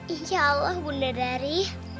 insya allah bunda dari